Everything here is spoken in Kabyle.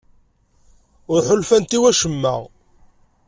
Ur ḥulfant i wacemma?